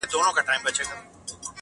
ځوان د سگريټو تسه کړې قطۍ وغورځول.